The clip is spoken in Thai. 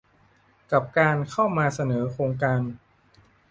กับการเข้ามาเสนอโครงการ